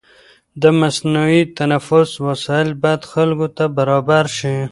د مصنوعي تنفس وسایل باید خلکو ته برابر شي.